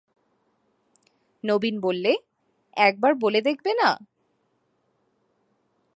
নবীন বললে, একবার বলে দেখবে না?